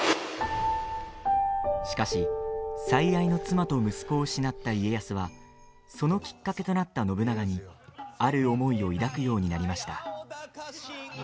しかし最愛の妻と息子を失った家康はそのきっかけとなった信長にある思いを抱くようになりました。